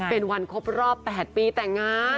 เป็นวันครบรอบ๘ปีแต่งงาน